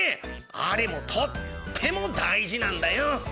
あれもとってもだいじなんだよ。